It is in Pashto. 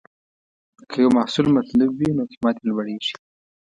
که یو محصول مطلوب وي، نو قیمت یې لوړېږي.